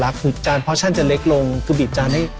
แม้ว่ามากันเป็นคู่รัก๒คนก็ทานได้